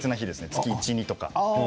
月１とか。